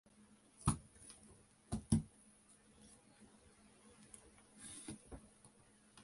ターンテーブル回して腕を左右に大きく振って盛りあげる姿を客はただ見つめている